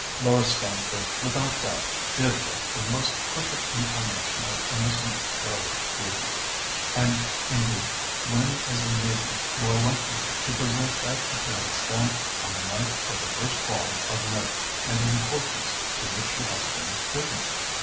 Laura Stamford without doubt did look a most perfect incarnation of innocent, girlish beauty. And, indeed, when is a maiden more likely to present that appearance than on the night of the first ball of note and importance to which she has been bidden?